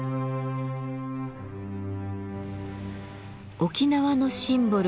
沖縄のシンボル